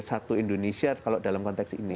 satu indonesia kalau dalam konteks ini